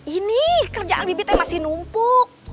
ini kerjaan bibitnya masih numpuk